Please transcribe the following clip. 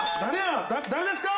誰ですか？